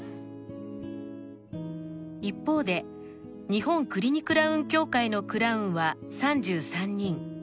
一方で日本クリニクラウン協会のクラウンは３３人。